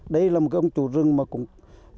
đây là một cái ông chủ rừng mà cũng